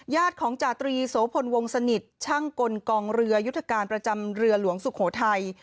ของจาตรีโสพลวงสนิทช่างกลกองเรือยุทธการประจำเรือหลวงสุโขทัย